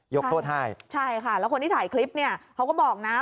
ยกโทษให้ใช่ค่ะแล้วคนที่ถ่ายคลิปเนี่ยเขาก็บอกนะ